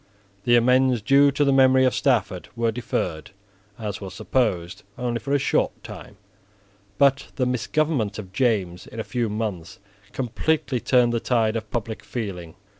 The amends due to the memory of Stafford were deferred, as was supposed, only for a short time. But the misgovernment of James in a few months completely turned the tide of public feeling.